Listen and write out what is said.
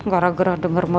gara gera denger mau